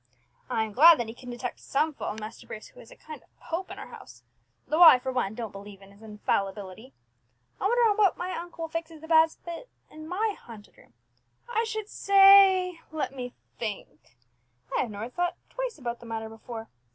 I am glad that he can detect some fault in Master Bruce, who is a kind of pope in our house, though I, for one, don't believe in his infallibility. I wonder on what my uncle will fix as the bad spirit in my haunted room. I should say let me think I have never thought about the matter before.